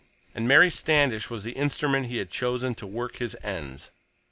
And Mary Standish was the instrument he had chosen to work his ends!